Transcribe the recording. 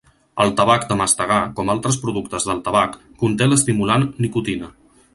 El tabac de mastegar, com altres productes del tabac, conté l'estimulant nicotina.